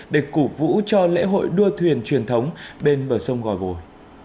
để cổ vũ cho lễ hội đua thuyền truyền thống bên bờ sông gòi bồi